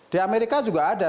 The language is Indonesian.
di amerika juga ada